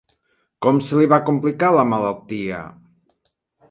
Com se li va complicar la malaltia?